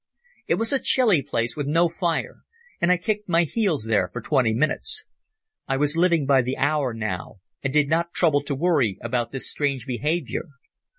It was a chilly place with no fire, and I kicked my heels there for twenty minutes. I was living by the hour now, and did not trouble to worry about this strange behaviour.